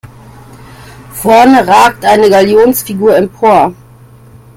Vorne ragt eine Galionsfigur empor.